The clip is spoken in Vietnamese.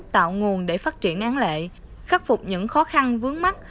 tạo nguồn để phát triển án lệ khắc phục những khó khăn vướng mắt